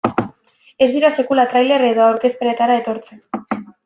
Ez dira sekula tailer edo aurkezpenetara etortzen.